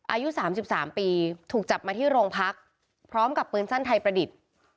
อายุ๓๓ปีถูกจับมาที่โรงพักพร้อมกับปืนสั้นไทยประดิษฐ์